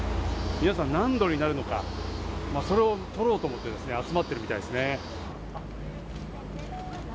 皆さん、何度になるのか、それを撮ろうと思って集まっているみたいですね。